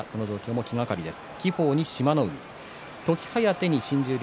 気がかりです。